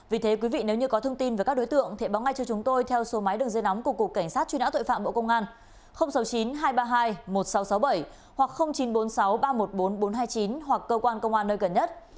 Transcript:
vì thế quý vị nếu như có thông tin về các đối tượng hãy báo ngay cho chúng tôi theo số máy đường dây nóng của cục cảnh sát truy nã tội phạm bộ công an sáu mươi chín hai trăm ba mươi hai một nghìn sáu trăm sáu mươi bảy hoặc chín trăm bốn mươi sáu ba trăm một mươi bốn nghìn bốn trăm hai mươi chín hoặc cơ quan công an nơi gần nhất